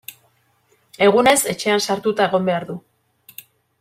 Egunez, etxean sartuta egon behar du.